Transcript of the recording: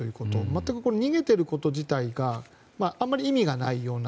全く逃げていること自体があまり意味がないような。